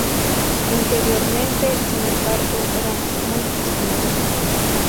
Interiormente, sin embargo, eran muy distintos.